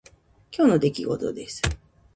今日の出来事です。